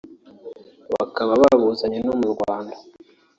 bakaba babuzanye no mu Rwanda